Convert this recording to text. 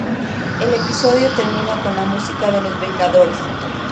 El episodio termina con la música de "Los vengadores".